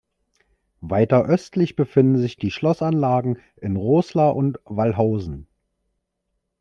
Weiter östlich befinden sich die Schlossanlagen in Roßla und Wallhausen.